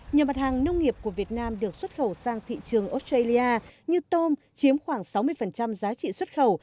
nhiều mặt hàng nông nghiệp của việt nam được xuất khẩu sang thị trường australia như tôm chiếm khoảng sáu mươi giá trị xuất khẩu